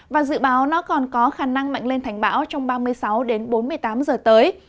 và dự báo nó còn có khả năng mạnh lên thành bão trong ba mươi sáu đến bốn mươi tám giờ tới